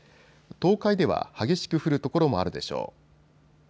東海では激しく降る所もあるでしょう。